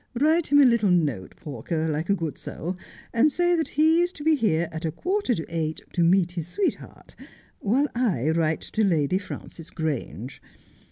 Write him a little note, Pawker, like h good soul, and say that he is to be here at a quarter to eight to meet his sweetheart, while I write to Lady Frances Grange.